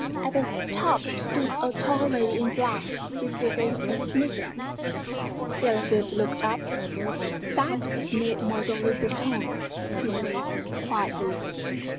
At the top stood a tall lady in black, receiving and dismissing. Delafield looked up. "That is Mademoiselle Le Breton," he said, quietly.